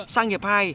sang nghiệp hai